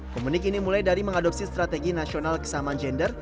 komunik ini mulai dari mengadopsi strategi nasional kesamaan gender